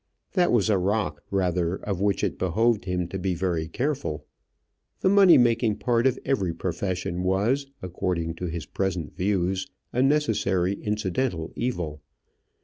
That was a rock, rather, of which it behoved him to be very careful. The money making part of every profession was, according to his present views, a necessary incidental evil.